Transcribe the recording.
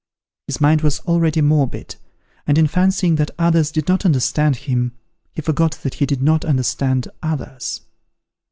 His mind was already morbid, and in fancying that others did not understand him, he forgot that he did not understand others.